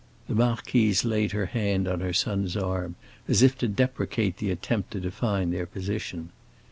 The marquise laid her hand on her son's arm, as if to deprecate the attempt to define their position.